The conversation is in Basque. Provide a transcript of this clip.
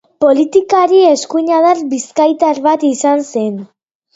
Politikari eskuindar bizkaitar bat izan zen.